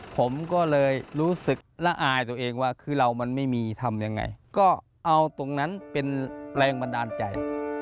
ผมก็เลยรู้สึกละอายตัวเองว่าคือเรามันไม่มีทำยังไงก็เอาตรงนั้นเป็นแรงบันดาลใจ